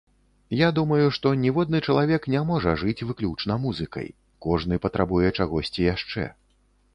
Я думаю, што ніводны чалавек не можа жыць выключна музыкай, кожны патрабуе чагосьці яшчэ.